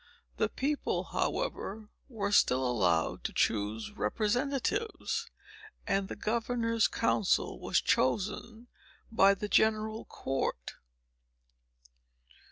The people, however, were still allowed to choose representatives; and the governor's council was chosen by the general court."